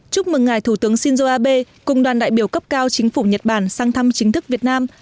chúc mừng ngài thủ tướng shinzo abe cùng đoàn đại biểu cấp cao chính phủ nhật bản sang thăm chính thức việt nam